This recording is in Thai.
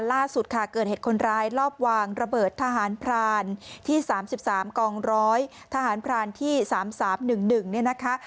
ล่าสุดค่ะเกิดเหตุคนร้ายรอบวางระเบิดทหารพรานที่๓๓กองร้อยทหารพรานที่๓๓๑๑เนี่ยนะคะ